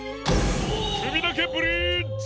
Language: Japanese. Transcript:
くびだけブリッジ！